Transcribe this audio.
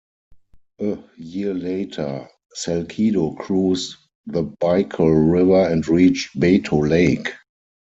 A year later, Salcedo cruised the Bicol River and reached Bato Lake.